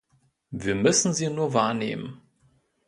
Wir müssen sie nur wahrnehmen.